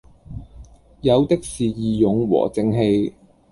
有的是義勇和正氣。